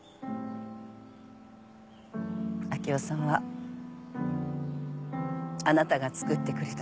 明生さんはあなたがつくってくれた自分の。